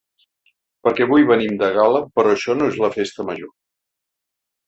Perquè avui venim de gala, però això no és la festa major.